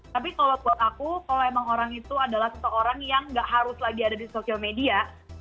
tapi kalau buat aku kalau emang orang itu adalah seseorang yang gak harus lagi ada di social media